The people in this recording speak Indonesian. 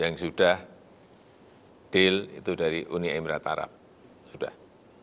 yang sudah deal itu dari uni emirat arab sudah